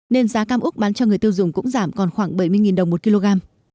nên giá cam úc bán cho người tiêu dùng cũng giảm còn khoảng bảy mươi đồng một kg